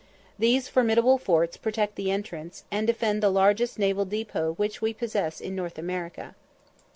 These formidable forts protect the entrance, and defend the largest naval depot which we possess in North America.